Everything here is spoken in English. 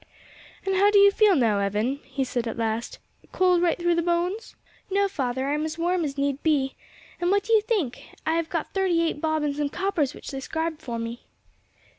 "And how do you feel now, Evan?" he said at last; "cold right through the bones?" "No, father; I am as warm as need be; and what do you think? I have got thirty eight bob and some coppers which they 'scribed for me."